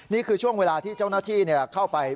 นี่คือช่วงเวลาที่เจ้าหน้าที่เข้าไป